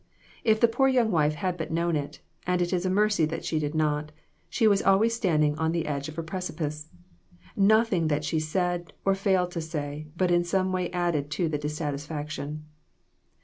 If the poor young wife had but known it and it is a mercy that she did not she was always standing on the edge of a precipice. Nothing that she said, or failed to say, but in some way added to the dissatisfaction.